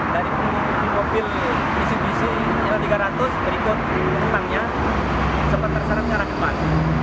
dari penghubung mobil pcpc l tiga ratus berikut minibus menangnya sempat terseret ke arah depan